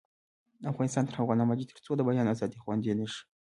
افغانستان تر هغو نه ابادیږي، ترڅو د بیان ازادي خوندي نشي.